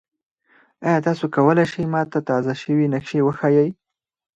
ایا تاسو کولی شئ ما ته تازه شوي نقشې وښایئ؟